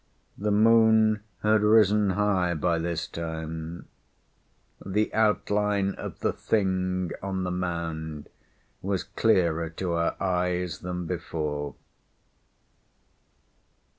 "_ _The moon had risen high by this time; the outline of the Thing on the mound was clearer to our eyes than before.